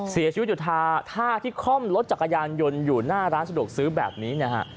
เสียชีวิตอยู่ท่าที่คล่อมรถจักรยานยนต์อยู่หน้าร้านสะดวกซื้อแบบนี้นะฮะ